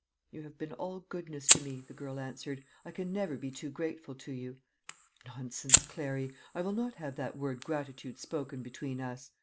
"You have been all goodness to me," the girl answered; "I can never be too grateful to you." "Nonsense, Clary; I will not have that word gratitude spoken between us.